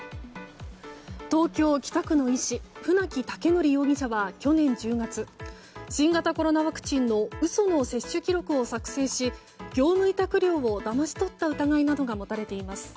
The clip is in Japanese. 東京・北区の医師船木威徳容疑者は去年１０月新型コロナワクチンの嘘の接種記録を作成し業務委託料をだまし取った疑いなどが持たれています。